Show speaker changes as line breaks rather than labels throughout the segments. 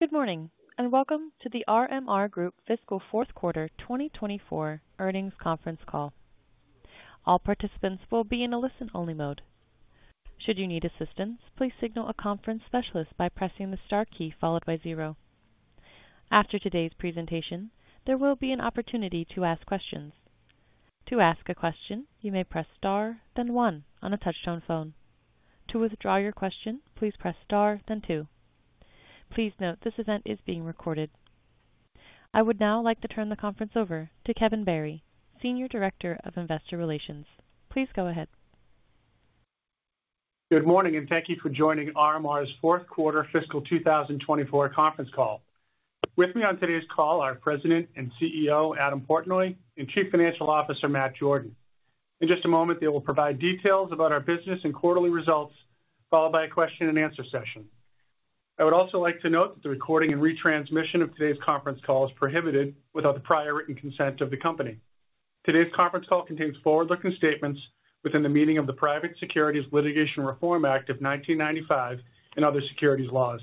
Good morning and welcome to the RMR Group Fiscal Fourth Quarter 2024 Earnings Conference Call. All participants will be in a listen-only mode. Should you need assistance, please signal a conference specialist by pressing the star key followed by zero. After today's presentation, there will be an opportunity to ask questions. To ask a question, you may press star, then one on a touch-tone phone. To withdraw your question, please press star, then two. Please note this event is being recorded. I would now like to turn the conference over to Kevin Barry, Senior Director of Investor Relations. Please go ahead.
Good morning and thank you for joining RMR's fourth quarter fiscal 2024 conference call. With me on today's call are President and CEO Adam Portnoy and Chief Financial Officer Matt Jordan. In just a moment, they will provide details about our business and quarterly results followed by a question-and-answer session. I would also like to note that the recording and retransmission of today's conference call is prohibited without the prior written consent of the company. Today's conference call contains forward-looking statements within the meaning of the Private Securities Litigation Reform Act of 1995 and other securities laws.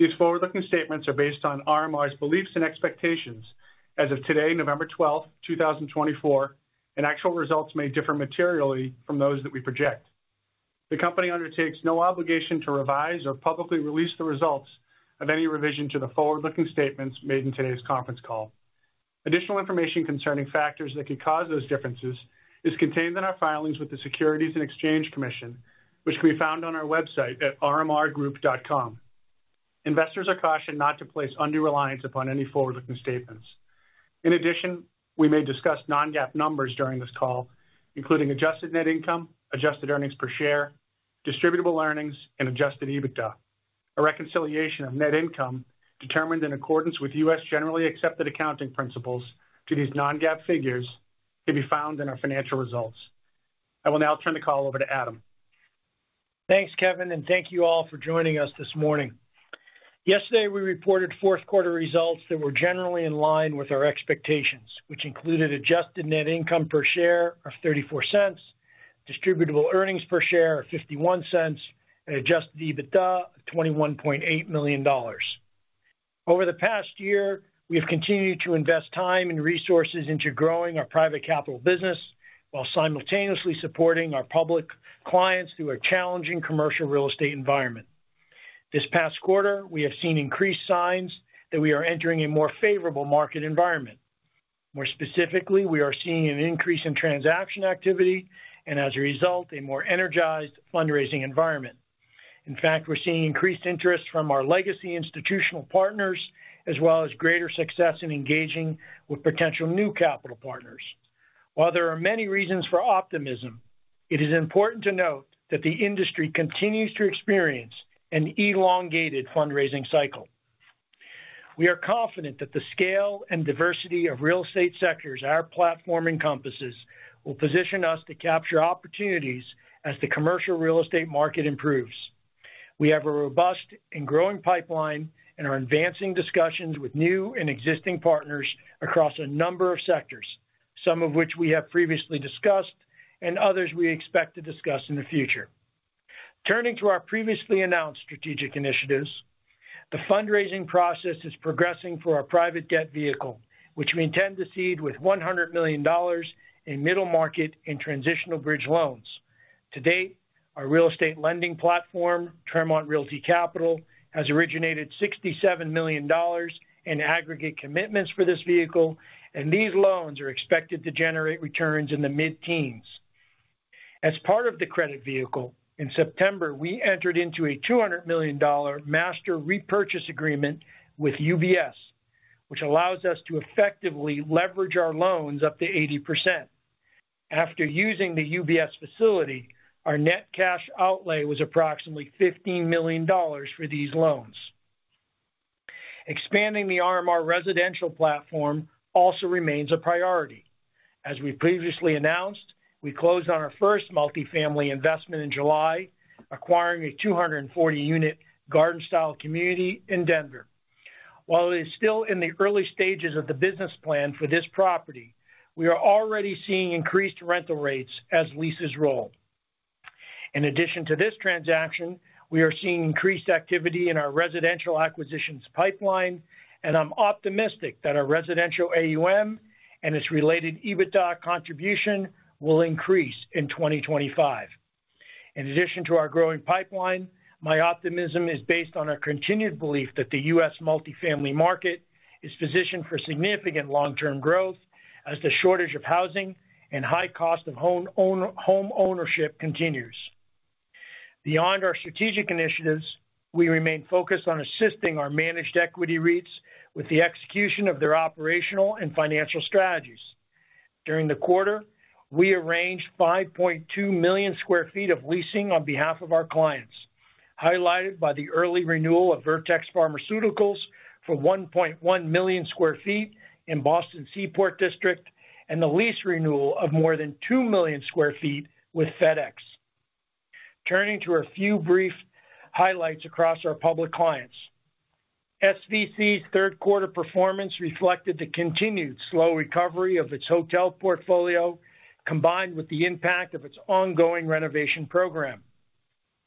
These forward-looking statements are based on RMR's beliefs and expectations as of today, November 12th, 2024, and actual results may differ materially from those that we project. The company undertakes no obligation to revise or publicly release the results of any revision to the forward-looking statements made in today's conference call. Additional information concerning factors that could cause those differences is contained in our filings with the Securities and Exchange Commission, which can be found on our website at rmrgroup.com. Investors are cautioned not to place undue reliance upon any forward-looking statements. In addition, we may discuss non-GAAP numbers during this call, including adjusted net income, adjusted earnings per share, distributable earnings, and adjusted EBITDA. A reconciliation of net income determined in accordance with U.S. generally accepted accounting principles to these non-GAAP figures can be found in our financial results. I will now turn the call over to Adam.
Thanks, Kevin, and thank you all for joining us this morning. Yesterday, we reported fourth quarter results that were generally in line with our expectations, which included Adjusted Net Income per share of $0.34, Distributable Earnings per share of $0.51, and Adjusted EBITDA of $21.8 million. Over the past year, we have continued to invest time and resources into growing our private capital business while simultaneously supporting our public clients through a challenging commercial real estate environment. This past quarter, we have seen increased signs that we are entering a more favorable market environment. More specifically, we are seeing an increase in transaction activity and, as a result, a more energized fundraising environment. In fact, we're seeing increased interest from our legacy institutional partners as well as greater success in engaging with potential new capital partners. While there are many reasons for optimism, it is important to note that the industry continues to experience an elongated fundraising cycle. We are confident that the scale and diversity of real estate sectors our platform encompasses will position us to capture opportunities as the commercial real estate market improves. We have a robust and growing pipeline and are advancing discussions with new and existing partners across a number of sectors, some of which we have previously discussed and others we expect to discuss in the future. Turning to our previously announced strategic initiatives, the fundraising process is progressing for our private debt vehicle, which we intend to seed with $100 million in middle market and transitional bridge loans. To date, our real estate lending platform, Tremont Realty Capital, has originated $67 million in aggregate commitments for this vehicle, and these loans are expected to generate returns in the mid-teens. As part of the credit vehicle, in September, we entered into a $200 million master repurchase agreement with UBS, which allows us to effectively leverage our loans up to 80%. After using the UBS facility, our net cash outlay was approximately $15 million for these loans. Expanding the RMR Residential platform also remains a priority. As we previously announced, we closed on our first multifamily investment in July, acquiring a 240-unit garden-style community in Denver. While it is still in the early stages of the business plan for this property, we are already seeing increased rental rates as leases roll. In addition to this transaction, we are seeing increased activity in our residential acquisitions pipeline, and I'm optimistic that our residential AUM and its related EBITDA contribution will increase in 2025. In addition to our growing pipeline, my optimism is based on our continued belief that the U.S. multifamily market is positioned for significant long-term growth as the shortage of housing and high cost of home ownership continues. Beyond our strategic initiatives, we remain focused on assisting our managed equity REITs with the execution of their operational and financial strategies. During the quarter, we arranged 5.2 million sq ft of leasing on behalf of our clients, highlighted by the early renewal of Vertex Pharmaceuticals for 1.1 million sq ft in Boston's Seaport District and the lease renewal of more than 2 million sq ft with FedEx. Turning to a few brief highlights across our public clients, SVC's third quarter performance reflected the continued slow recovery of its hotel portfolio, combined with the impact of its ongoing renovation program.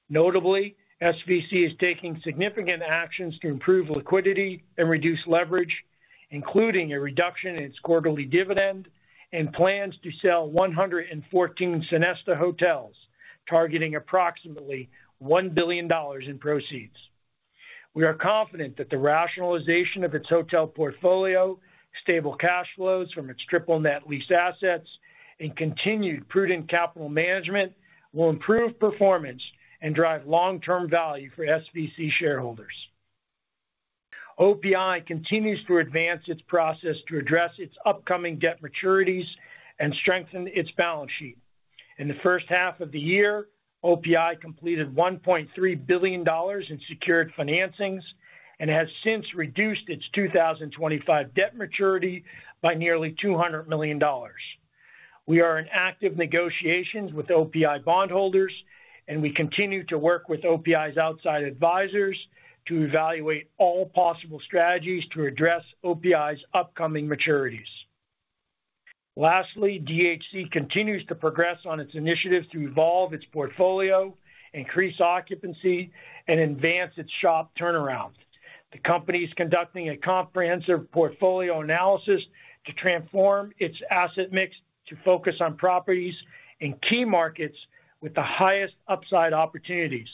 Notably, SVC is taking significant actions to improve liquidity and reduce leverage, including a reduction in its quarterly dividend and plans to sell 114 Sonesta hotels, targeting approximately $1 billion in proceeds. We are confident that the rationalization of its hotel portfolio, stable cash flows from its triple-net lease assets, and continued prudent capital management will improve performance and drive long-term value for SVC shareholders. OPI continues to advance its process to address its upcoming debt maturities and strengthen its balance sheet. In the first half of the year, OPI completed $1.3 billion in secured financings and has since reduced its 2025 debt maturity by nearly $200 million. We are in active negotiations with OPI bondholders, and we continue to work with OPI's outside advisors to evaluate all possible strategies to address OPI's upcoming maturities. Lastly, DHC continues to progress on its initiatives to evolve its portfolio, increase occupancy, and advance its SHOP turnaround. The company is conducting a comprehensive portfolio analysis to transform its asset mix to focus on properties in key markets with the highest upside opportunities.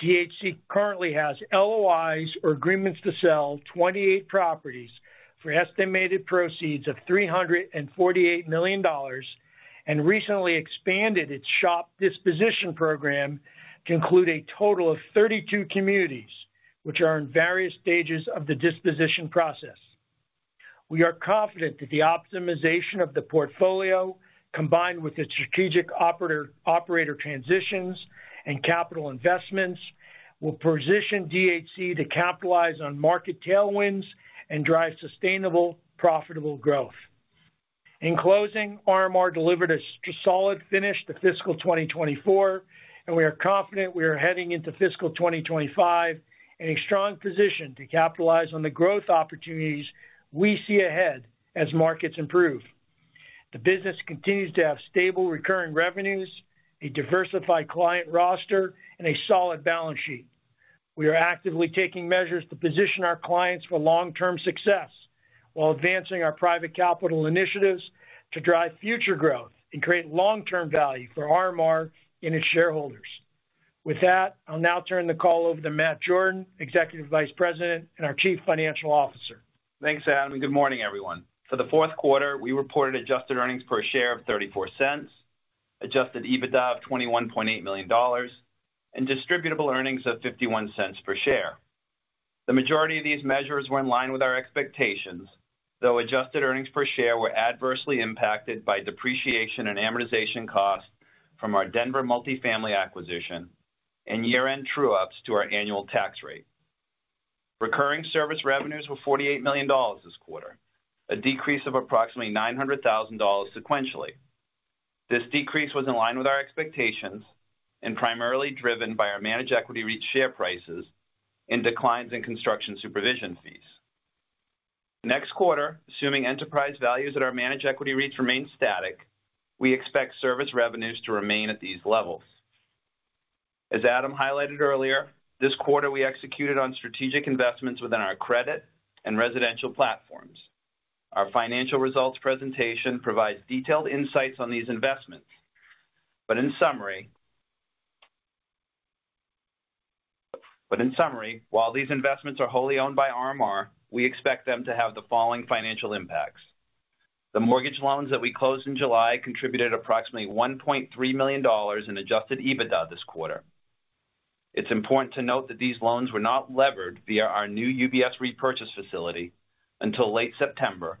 DHC currently has LOIs, or agreements to sell, 28 properties for estimated proceeds of $348 million, and recently expanded its SHOP disposition program to include a total of 32 communities, which are in various stages of the disposition process. We are confident that the optimization of the portfolio, combined with its strategic operator transitions and capital investments, will position DHC to capitalize on market tailwinds and drive sustainable, profitable growth. In closing, RMR delivered a solid finish to fiscal 2024, and we are confident we are heading into fiscal 2025 in a strong position to capitalize on the growth opportunities we see ahead as markets improve. The business continues to have stable recurring revenues, a diversified client roster, and a solid balance sheet. We are actively taking measures to position our clients for long-term success while advancing our private capital initiatives to drive future growth and create long-term value for RMR and its shareholders. With that, I'll now turn the call over to Matt Jordan, Executive Vice President and our Chief Financial Officer.
Thanks, Adam. Good morning, everyone. For the fourth quarter, we reported Adjusted Earnings Per Share of $0.34, Adjusted EBITDA of $21.8 million, and Distributable Earnings of $0.51 per share. The majority of these measures were in line with our expectations, though Adjusted Earnings Per Share were adversely impacted by depreciation and amortization costs from our Denver multifamily acquisition and year-end true-ups to our annual tax rate. Recurring service revenues were $48 million this quarter, a decrease of approximately $900,000 sequentially. This decrease was in line with our expectations and primarily driven by our managed equity REITs' share prices and declines in construction supervision fees. Next quarter, assuming enterprise values at our managed equity REITs remain static, we expect service revenues to remain at these levels. As Adam highlighted earlier, this quarter we executed on strategic investments within our credit and residential platforms. Our financial results presentation provides detailed insights on these investments, but in summary, while these investments are wholly owned by RMR, we expect them to have the following financial impacts. The mortgage loans that we closed in July contributed approximately $1.3 million in adjusted EBITDA this quarter. It's important to note that these loans were not levered via our new UBS repurchase facility until late September,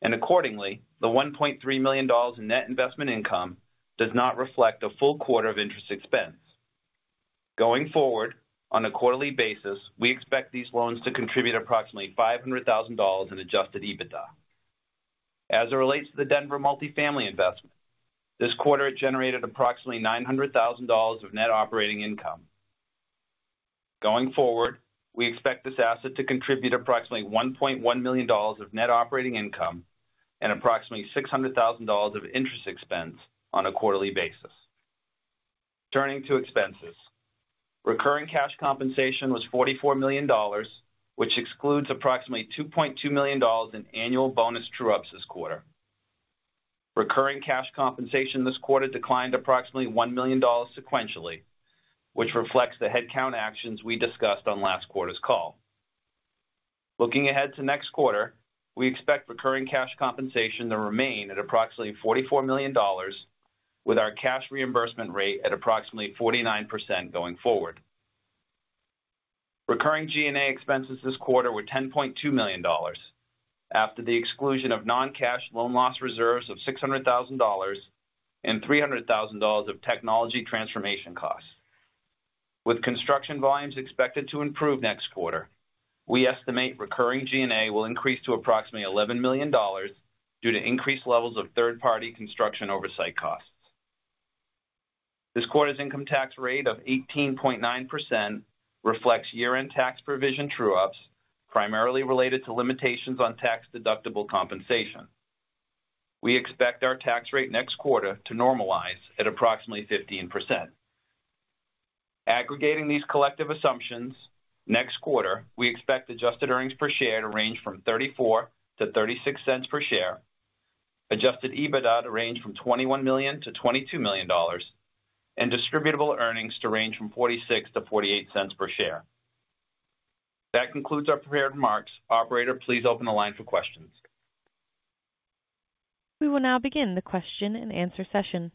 and accordingly, the $1.3 million in net investment income does not reflect a full quarter of interest expense. Going forward, on a quarterly basis, we expect these loans to contribute approximately $500,000 in adjusted EBITDA. As it relates to the Denver multifamily investment, this quarter it generated approximately $900,000 of net operating income. Going forward, we expect this asset to contribute approximately $1.1 million of net operating income and approximately $600,000 of interest expense on a quarterly basis. Turning to expenses, recurring cash compensation was $44 million, which excludes approximately $2.2 million in annual bonus true-ups this quarter. Recurring cash compensation this quarter declined approximately $1 million sequentially, which reflects the headcount actions we discussed on last quarter's call. Looking ahead to next quarter, we expect recurring cash compensation to remain at approximately $44 million, with our cash reimbursement rate at approximately 49% going forward. Recurring G&A expenses this quarter were $10.2 million after the exclusion of non-cash loan loss reserves of $600,000 and $300,000 of technology transformation costs. With construction volumes expected to improve next quarter, we estimate recurring G&A will increase to approximately $11 million due to increased levels of third-party construction oversight costs. This quarter's income tax rate of 18.9% reflects year-end tax provision true-ups primarily related to limitations on tax-deductible compensation. We expect our tax rate next quarter to normalize at approximately 15%. Aggregating these collective assumptions, next quarter, we expect adjusted earnings per share to range from $0.34-$0.36 per share, adjusted EBITDA to range from $21 million-$22 million, and distributable earnings to range from $0.46-$0.48 per share. That concludes our prepared remarks. Operator, please open the line for questions.
We will now begin the question and answer session.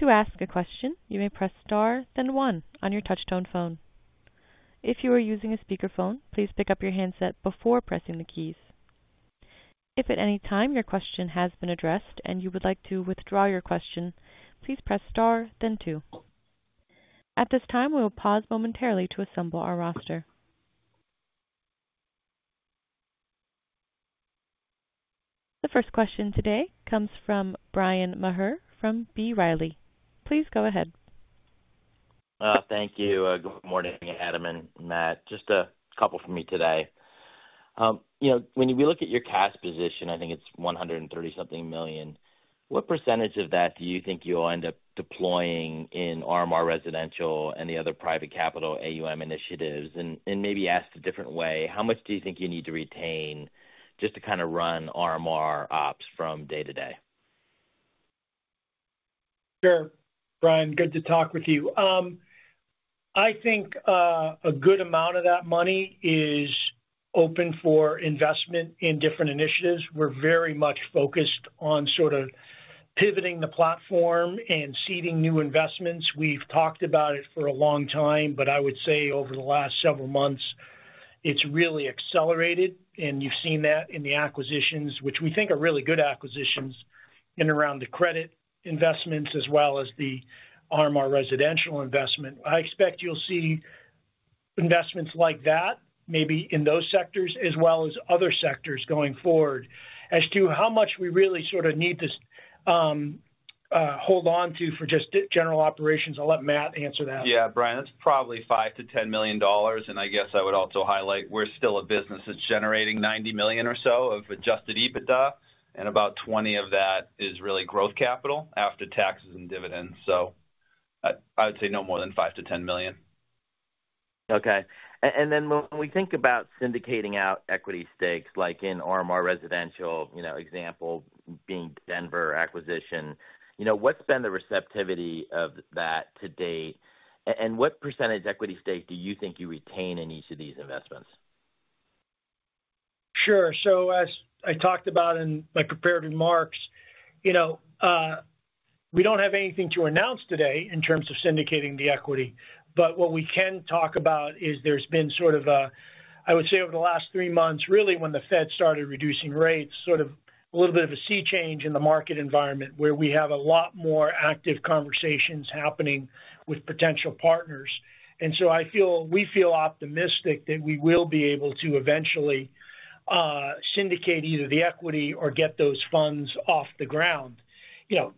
To ask a question, you may press star, then one on your touch-tone phone. If you are using a speakerphone, please pick up your handset before pressing the keys. If at any time your question has been addressed and you would like to withdraw your question, please press star, then two. At this time, we will pause momentarily to assemble our roster. The first question today comes from Bryan Maher from B. Riley. Please go ahead.
Thank you. Good morning, Adam and Matt. Just a couple for me today. When we look at your cash position, I think it's $130-something million. What percentage of that do you think you'll end up deploying in RMR Residential and the other private capital AUM initiatives? And maybe asked a different way, how much do you think you need to retain just to kind of run RMR ops from day to day?
Sure, Bryan. Good to talk with you. I think a good amount of that money is open for investment in different initiatives. We're very much focused on sort of pivoting the platform and seeding new investments. We've talked about it for a long time, but I would say over the last several months, it's really accelerated, and you've seen that in the acquisitions, which we think are really good acquisitions in and around the credit investments as well as the RMR Residential investment. I expect you'll see investments like that, maybe in those sectors as well as other sectors going forward. As to how much we really sort of need to hold on to for just general operations, I'll let Matt answer that.
Yeah, Brian, it's probably $5-$10 million. I guess I would also highlight we're still a business that's generating $90 million or so of Adjusted EBITDA, and about 20 of that is really growth capital after taxes and dividends. So I would say no more than $5-$10 million.
Okay. And then when we think about syndicating out equity stakes, like in RMR Residential, example being Denver acquisition, what's been the receptivity of that to date? And what percentage equity stake do you think you retain in each of these investments?
Sure. So as I talked about in my prepared remarks, we don't have anything to announce today in terms of syndicating the equity. But what we can talk about is there's been sort of a, I would say over the last three months, really when the Fed started reducing rates, sort of a little bit of a sea change in the market environment where we have a lot more active conversations happening with potential partners. And so I feel we feel optimistic that we will be able to eventually syndicate either the equity or get those funds off the ground.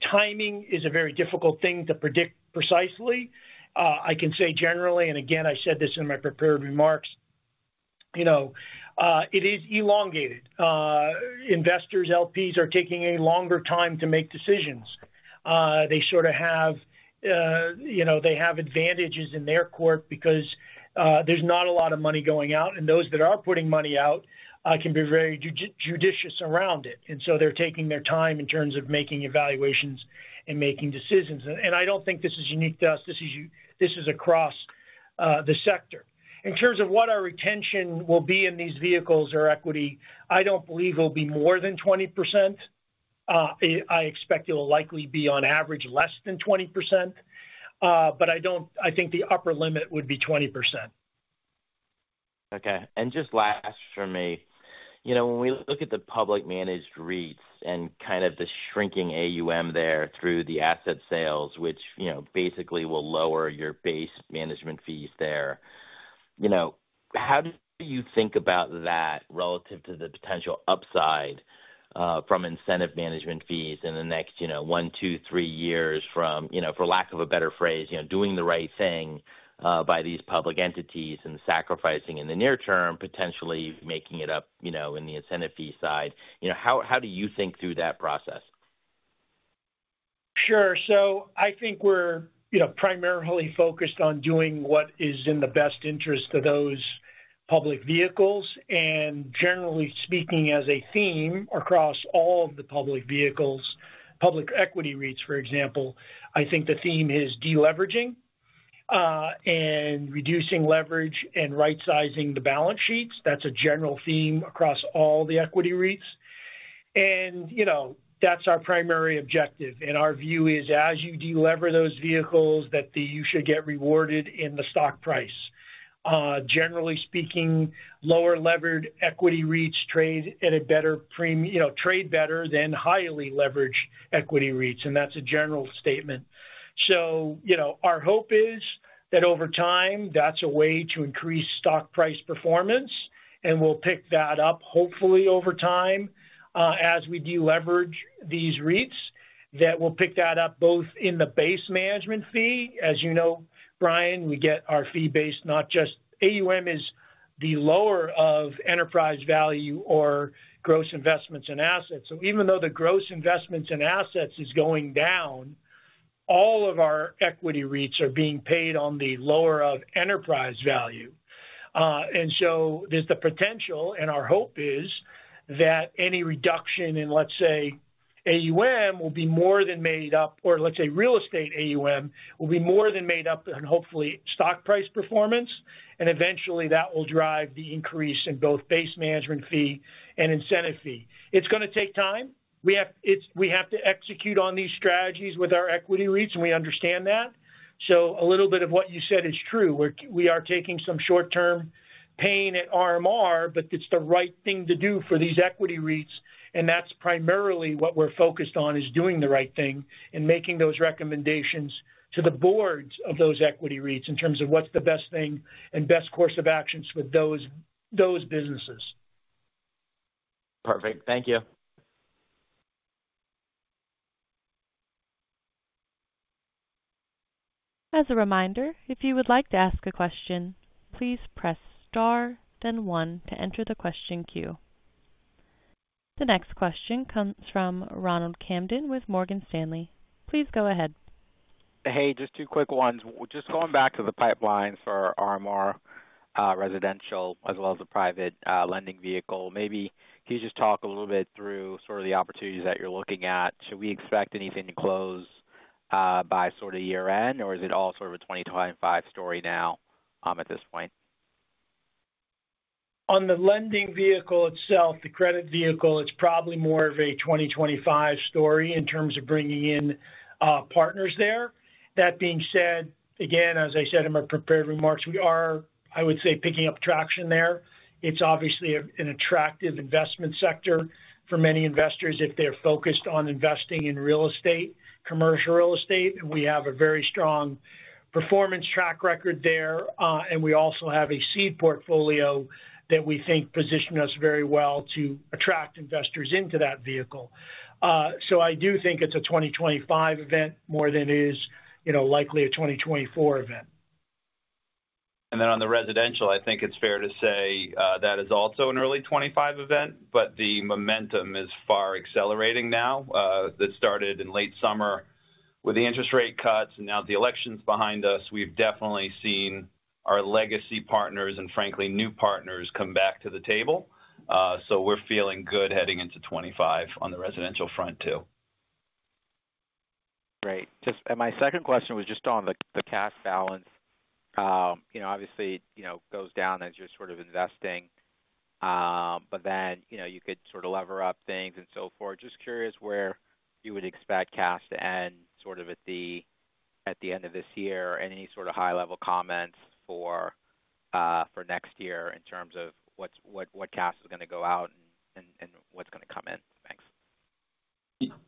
Timing is a very difficult thing to predict precisely. I can say generally, and again, I said this in my prepared remarks, it is elongated. Investors, LPs, are taking a longer time to make decisions. They sort of have advantages in their court because there's not a lot of money going out, and those that are putting money out can be very judicious around it. And so they're taking their time in terms of making evaluations and making decisions. And I don't think this is unique to us. This is across the sector. In terms of what our retention will be in these vehicles or equity, I don't believe it'll be more than 20%. I expect it will likely be on average less than 20%, but I think the upper limit would be 20%.
Okay. And just last for me, when we look at the public managed REITs and kind of the shrinking AUM there through the asset sales, which basically will lower your base management fees there, how do you think about that relative to the potential upside from incentive management fees in the next one, two, three years from, for lack of a better phrase, doing the right thing by these public entities and sacrificing in the near term, potentially making it up in the incentive fee side? How do you think through that process?
Sure. So I think we're primarily focused on doing what is in the best interest of those public vehicles. And generally speaking, as a theme across all of the public vehicles, public equity REITs, for example, I think the theme is deleveraging and reducing leverage and right-sizing the balance sheets. That's a general theme across all the equity REITs. And that's our primary objective. And our view is, as you delever those vehicles, that you should get rewarded in the stock price. Generally speaking, lower levered equity REITs trade better than highly leveraged equity REITs. And that's a general statement. So our hope is that over time, that's a way to increase stock price performance, and we'll pick that up hopefully over time as we deleverage these REITs that will pick that up both in the base management fee. As you know, Brian, we get our fee-based not just AUM is the lower of enterprise value or gross investments and assets. So even though the gross investments and assets is going down, all of our equity REITs are being paid on the lower of enterprise value. And so there's the potential, and our hope is that any reduction in, let's say, AUM will be more than made up, or let's say real estate AUM will be more than made up in hopefully stock price performance. And eventually, that will drive the increase in both base management fee and incentive fee. It's going to take time. We have to execute on these strategies with our equity REITs, and we understand that. So a little bit of what you said is true. We are taking some short-term pain at RMR, but it's the right thing to do for these equity REITs. That's primarily what we're focused on, is doing the right thing and making those recommendations to the boards of those equity REITs in terms of what's the best thing and best course of actions with those businesses.
Perfect. Thank you.
As a reminder, if you would like to ask a question, please press star, then one to enter the question queue. The next question comes from Ronald Kamdem with Morgan Stanley. Please go ahead.
Hey, just two quick ones. Just going back to the pipelines for RMR Residential as well as the private lending vehicle, maybe can you just talk a little bit through sort of the opportunities that you're looking at? Should we expect anything to close by sort of year-end, or is it all sort of a 2025 story now at this point?
On the lending vehicle itself, the credit vehicle, it's probably more of a 2025 story in terms of bringing in partners there. That being said, again, as I said in my prepared remarks, we are, I would say, picking up traction there. It's obviously an attractive investment sector for many investors if they're focused on investing in real estate, commercial real estate. And we have a very strong performance track record there. And we also have a seed portfolio that we think positions us very well to attract investors into that vehicle. So I do think it's a 2025 event more than it is likely a 2024 event.
And then on the residential, I think it's fair to say that is also an early 2025 event, but the momentum is far accelerating now. That started in late summer with the interest rate cuts, and now the election's behind us. We've definitely seen our legacy partners and frankly, new partners come back to the table. So we're feeling good heading into 2025 on the residential front too.
Great. And my second question was just on the cash balance. Obviously, it goes down as you're sort of investing, but then you could sort of lever up things and so forth. Just curious where you would expect cash to end sort of at the end of this year and any sort of high-level comments for next year in terms of what cash is going to go out and what's going to come in. Thanks.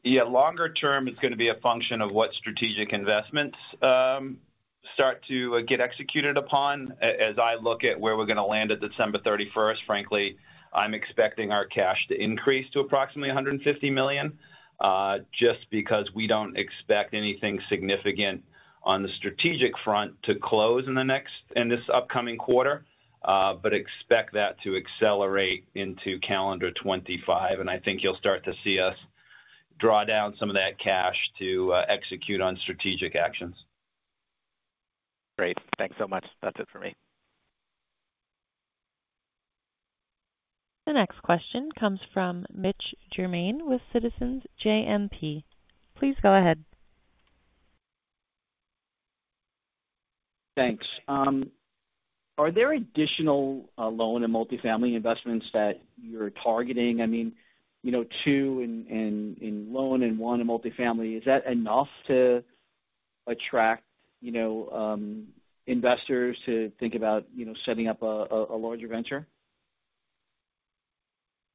Yeah, longer term, it's going to be a function of what strategic investments start to get executed upon. As I look at where we're going to land at December 31st, frankly, I'm expecting our cash to increase to approximately $150 million just because we don't expect anything significant on the strategic front to close in this upcoming quarter, but expect that to accelerate into calendar 2025. And I think you'll start to see us draw down some of that cash to execute on strategic actions.
Great. Thanks so much. That's it for me.
The next question comes from Mitch Germain with Citizens JMP. Please go ahead.
Thanks. Are there additional loan and multifamily investments that you're targeting? I mean, two in loan and one in multifamily, is that enough to attract investors to think about setting up a larger venture?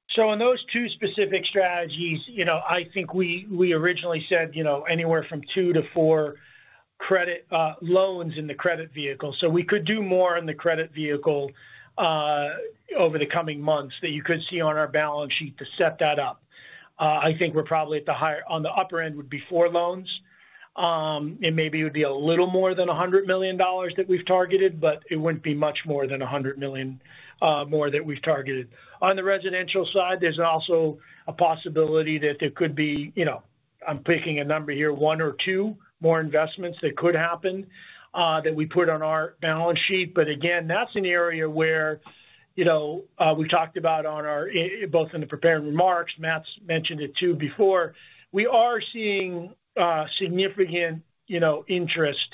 So on those two specific strategies, I think we originally said anywhere from two to four loans in the credit vehicle. So we could do more in the credit vehicle over the coming months that you could see on our balance sheet to set that up. I think we're probably at the higher on the upper end would be four loans, and maybe it would be a little more than $100 million that we've targeted, but it wouldn't be much more than $100 million more that we've targeted. On the residential side, there's also a possibility that there could be, I'm picking a number here, one or two more investments that could happen that we put on our balance sheet. But again, that's an area where we talked about on our both in the prepared remarks, Matt mentioned it too before. We are seeing significant interest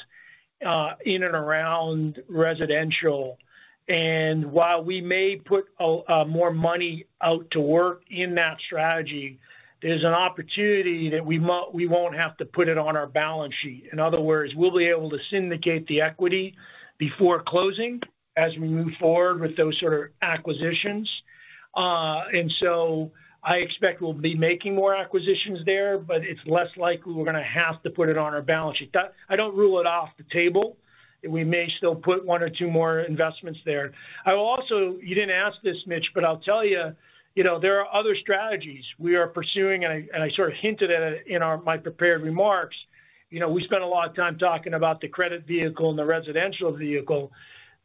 in and around residential. While we may put more money out to work in that strategy, there's an opportunity that we won't have to put it on our balance sheet. In other words, we'll be able to syndicate the equity before closing as we move forward with those sort of acquisitions. So I expect we'll be making more acquisitions there, but it's less likely we're going to have to put it on our balance sheet. I don't rule it off the table. We may still put one or two more investments there. You didn't ask this, Mitch, but I'll tell you, there are other strategies we are pursuing, and I sort of hinted at it in my prepared remarks. We spent a lot of time talking about the credit vehicle and the residential vehicle.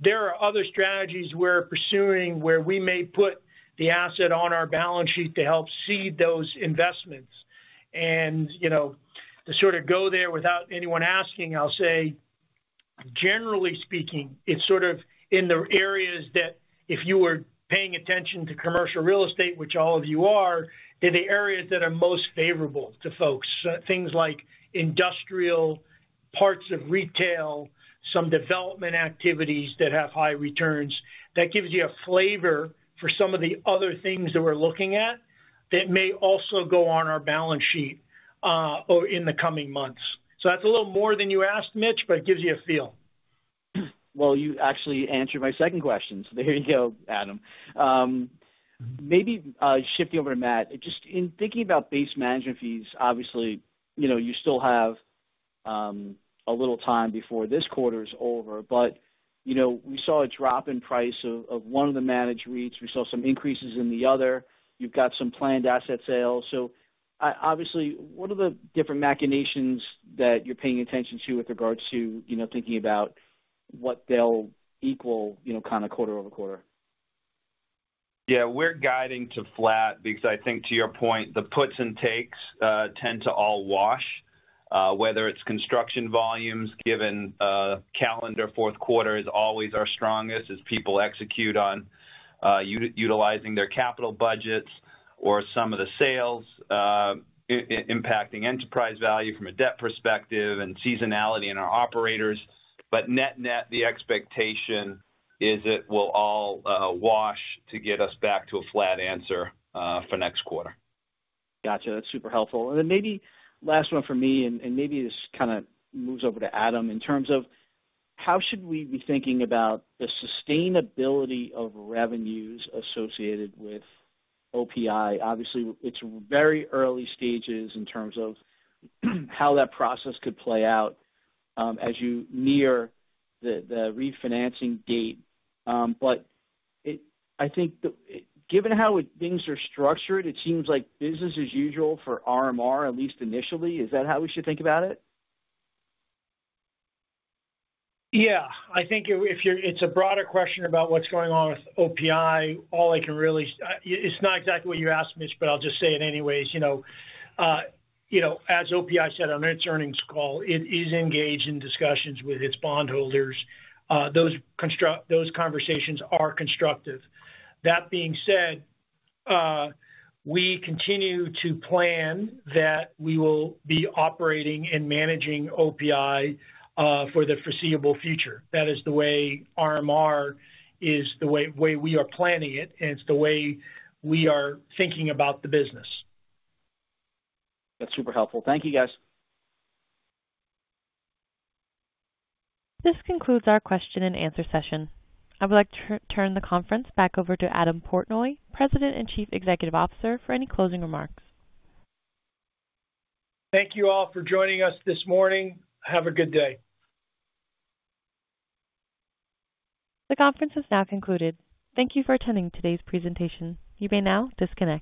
There are other strategies we're pursuing where we may put the asset on our balance sheet to help seed those investments. And to sort of go there without anyone asking, I'll say, generally speaking, it's sort of in the areas that if you were paying attention to commercial real estate, which all of you are, they're the areas that are most favorable to folks. Things like industrial parts of retail, some development activities that have high returns. That gives you a flavor for some of the other things that we're looking at that may also go on our balance sheet in the coming months. So that's a little more than you asked, Mitch, but it gives you a feel.
You actually answered my second question. There you go, Adam. Maybe shifting over to Matt, just in thinking about base management fees, obviously, you still have a little time before this quarter is over, but we saw a drop in price of one of the managed REITs. We saw some increases in the other. You've got some planned asset sales. Obviously, what are the different mechanics that you're paying attention to with regards to thinking about what they'll equal kind of quarter over quarter?
Yeah, we're guiding to flat because I think to your point, the puts and takes tend to all wash, whether it's construction volumes given calendar fourth quarter is always our strongest as people execute on utilizing their capital budgets or some of the sales impacting enterprise value from a debt perspective and seasonality in our operators. But net-net, the expectation is it will all wash to get us back to a flat answer for next quarter.
Gotcha. That's super helpful. And then maybe last one for me, and maybe this kind of moves over to Adam in terms of how should we be thinking about the sustainability of revenues associated with OPI? Obviously, it's very early stages in terms of how that process could play out as you near the refinancing date. But I think given how things are structured, it seems like business as usual for RMR, at least initially. Is that how we should think about it?
Yeah. I think if it's a broader question about what's going on with OPI, all I can really it's not exactly what you asked, Mitch, but I'll just say it anyways. As OPI said on its earnings call, it is engaged in discussions with its bondholders. Those conversations are constructive. That being said, we continue to plan that we will be operating and managing OPI for the foreseeable future. That is the way RMR is the way we are planning it, and it's the way we are thinking about the business.
That's super helpful. Thank you, guys.
This concludes our question and answer session. I would like to turn the conference back over to Adam Portnoy, President and Chief Executive Officer, for any closing remarks.
Thank you all for joining us this morning. Have a good day.
The conference is now concluded. Thank you for attending today's presentation. You may now disconnect.